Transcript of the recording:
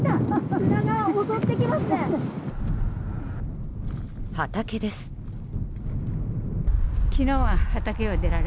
砂が襲ってきますね。